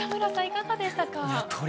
いかがでしたか？